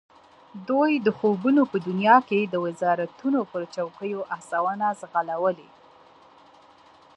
دوی د خوبونو په دنیا کې د وزارتونو پر چوکیو آسونه ځغلولي.